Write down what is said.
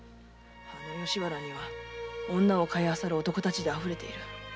この吉原には女を買いあさる男たちであふれている。